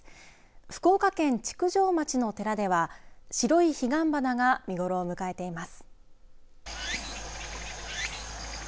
福岡県築上町の寺では白い彼岸花が見頃を迎えています。